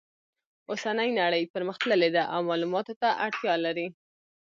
اوسنۍ نړۍ پرمختللې ده او معلوماتو ته اړتیا لري